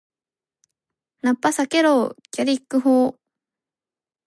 ナッパ避けろー！ギャリック砲ー！